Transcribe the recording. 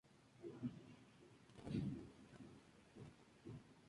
Se lo describe como tímido pero decidido, y muy inteligente.